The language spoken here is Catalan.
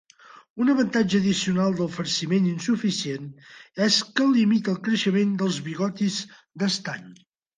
Un avantatge addicional del farciment insuficient és que limita el creixement dels bigotis d'estany.